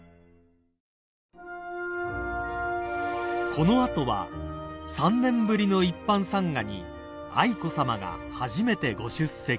［この後は３年ぶりの一般参賀に愛子さまが初めてご出席］